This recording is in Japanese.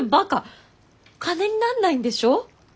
金になんないんでしょ？